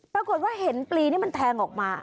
ปรากฏว่าเห็นปลีนี่มันแทงออกมา